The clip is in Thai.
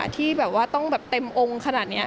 ที่แบบว่าต้องแบบเต็มองค์ขนาดนี้